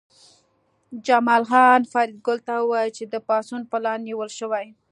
جمال خان فریدګل ته وویل چې د پاڅون پلان نیول شوی